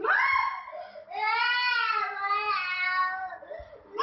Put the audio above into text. อ้าว